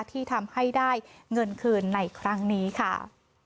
ที่ทำให้ได้เงินคืนในครั้งนี้ค่ะ